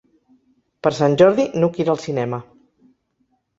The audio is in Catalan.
Per Sant Jordi n'Hug irà al cinema.